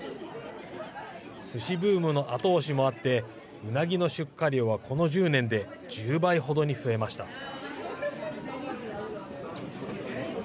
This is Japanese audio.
スシブームの後押しもあってうなぎの出荷量はこの１０年で１０倍ほどに増えました。